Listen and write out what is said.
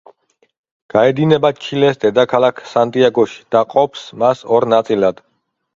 გაედინება ჩილეს დედაქალაქ სანტიაგოში და ყოფს მას ორ ნაწილად.